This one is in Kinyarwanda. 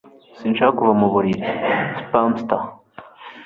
Sinshaka kuva mu buriri. (Spamster)